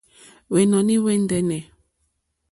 Hwɛ̀nɔ̀ní hwɛ̀ ndɛ́nɛ̀.